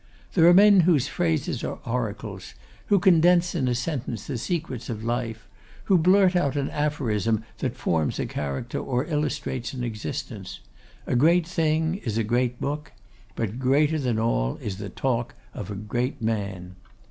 There are men whose phrases are oracles; who condense in a sentence the secrets of life; who blurt out an aphorism that forms a character or illustrates an existence. A great thing is a great book; but greater than all is the talk of a great man.